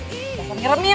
wah santae kan bisa